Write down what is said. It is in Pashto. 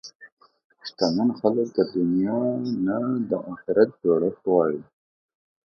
شتمن خلک د دنیا نه د اخرت جوړښت غواړي.